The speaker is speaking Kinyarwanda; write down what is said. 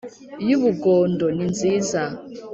y’ubugondo. ni nziza